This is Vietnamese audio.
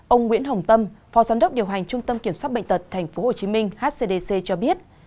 ông nguyễn hồng tâm phó giám đốc điều hành trung tâm kiểm soát bệnh tật tp hcm hcdc cho biết